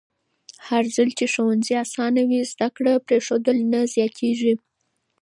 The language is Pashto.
هرځل چې ښوونځي اسانه وي، زده کړه پرېښودل نه زیاتېږي.